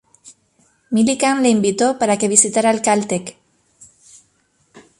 Millikan le invitó para que visitara el Caltech.